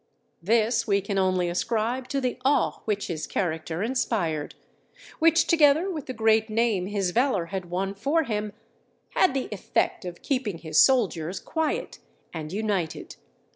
This we can only ascribe to the awe which his character inspired, which together with the great name his valour had won for him, had the effect of keeping his soldiers quiet and united.